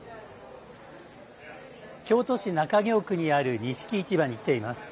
京都市中京区にある錦市場に来ています。